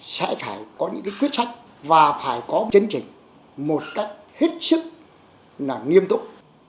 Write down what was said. sẽ phải có những cái quyết sách và phải có chấn chỉnh một cách hết sức là nghiêm túc